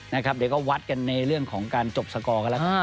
เดี๋ยวก็วัดกันในเรื่องของการจบสกอร์กันแล้วกัน